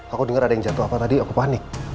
aku dengar ada yang jatuh apa tadi aku panik